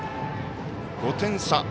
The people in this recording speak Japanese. ５点差。